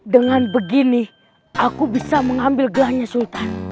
dengan begini aku bisa mengambil gelahnya sultan